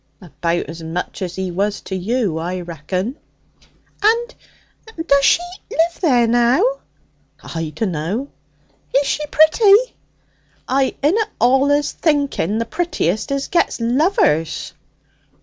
'About as much as he was to you, I reckon!' 'And does she live there now?' 'I dunno.' 'Is she pretty?' 'It inna allus the prettiest as get lovers.'